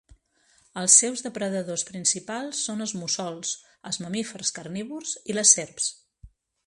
Els seus depredadors principals són els mussols, els mamífers carnívors i les serps.